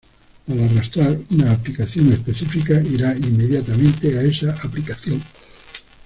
Al arrastrar una aplicación específica, irá inmediatamente a esa aplicación.